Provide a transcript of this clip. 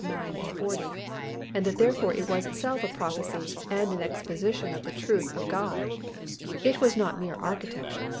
9, 40) and that therefore it was itself a prophecy and an exposition of the truth of God. It was not mere architecture.